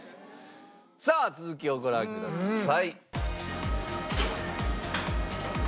さあ続きをご覧ください。